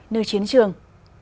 nữ chiến trường